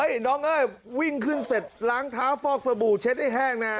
น้องเอ้ยวิ่งขึ้นเสร็จล้างเท้าฟอกสบู่เช็ดให้แห้งนะ